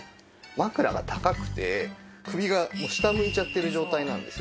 枕が高くて首が下向いちゃってる状態なんですよ。